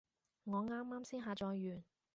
我啱啱先下載完